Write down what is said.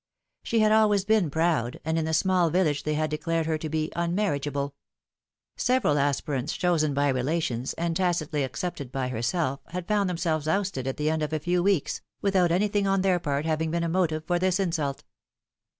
She had always been proud, and in the small village they had declared her to be unmarriageable." Several aspirants, chosen by phii^omI:ne's marriages. 39 relations, and tacitly accepted by herself, had found them selves ousted at the end of a few weeks, without anything on their part having been a motive for this insult.